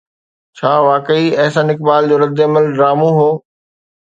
ڇا واقعي احسن اقبال جو ردعمل ڊرامو هو؟